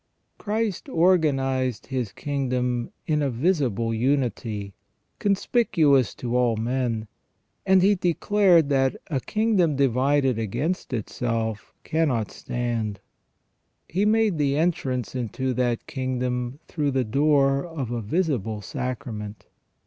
Christ organized His kingdom in a visible unity, conspicuous to all men, and He declared that " a kingdom divided against itself cannot stand ". He made the entrance into that kingdom through the door of a visible sacrament.